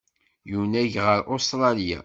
Yunag ɣer Ustṛalya.